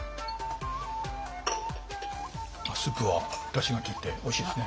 スープはだしが利いておいしいですね。